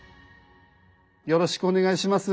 よろしくお願いします。